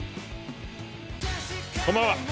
こんばんは。